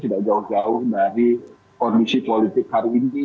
tidak jauh jauh dari kondisi politik hari ini